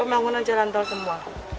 pembangunan jalan tol semua